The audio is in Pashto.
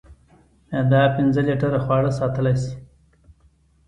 معده پنځه لیټره خواړه ساتلی شي.